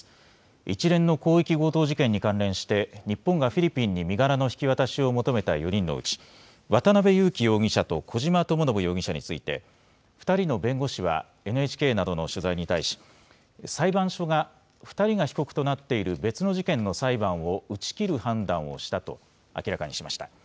一連の広域強盗事件に関連して日本がフィリピンに身柄の引き渡しを求めた４人のうち渡邉優樹容疑者と小島智信容疑者について２人の弁護士はＮＨＫなどの取材に対し裁判所が２人が被告となっている別の事件の裁判を打ち切る判断をしたと明らかにしました。